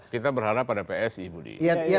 kita berharap pada psi budi